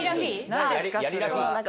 何ですか？